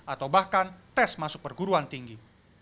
atau bahkan tes masuk perguruan tinggi